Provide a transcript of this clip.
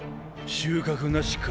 収穫なしか。